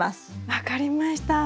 分かりました。